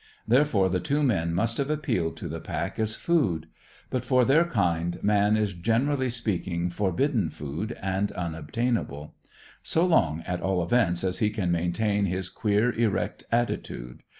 Therefore, the two men must have appealed to the pack as food. But, for their kind, man is generally speaking forbidden food, and unobtainable; so long, at all events, as he can maintain his queer, erect attitude.